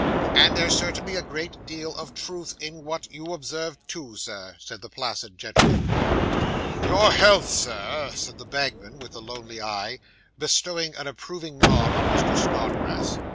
'And there's certainly a very great deal of truth in what you observe too, Sir,' said the placid gentleman. 'Your health, Sir,' said the bagman with the lonely eye, bestowing an approving nod on Mr. Snodgrass. Mr.